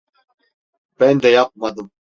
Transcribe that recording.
Ben de yapmadım.